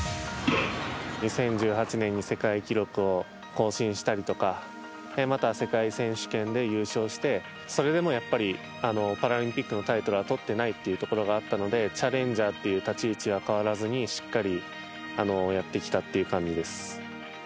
２０１８年に世界記録を更新したりとかまた世界選手権で優勝してそれでもやっぱりパラリンピックのタイトルはとってないというところがあったのでチャレンジャーという立ち位置は変わらずに、しっかりやってきたという感じです。